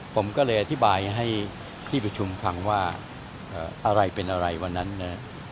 ผมก็เลยอธิบายให้ที่ประชุมฟังว่าอะไรเป็นอะไรวันนั้นนะครับ